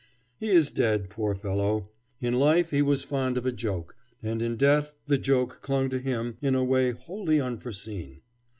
He is dead, poor fellow. In life he was fond of a joke, and in death the joke clung to him in a way wholly unforeseen.